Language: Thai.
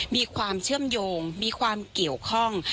มีความเชื่อมโยงมีความเกี่ยวข้อง